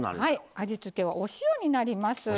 味付けはお塩になります。